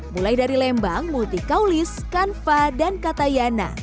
mulai dari lembang multikaulis kanva dan katayana